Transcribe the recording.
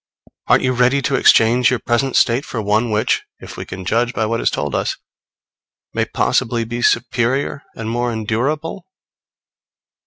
Aren't you ready to exchange your present state for one which, if we can judge by what is told us, may possibly be superior and more endurable?